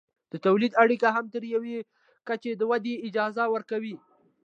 د تولید اړیکې هم تر یوې کچې د ودې اجازه ورکوي.